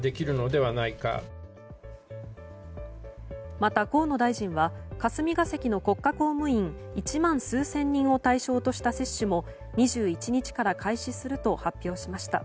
また河野大臣は霞が関の国家公務員一万数千人を対象とした接種も２１日から開始すると発表しました。